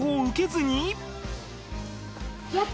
やった！